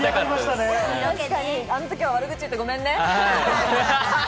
あの時は悪口言ってごめんね。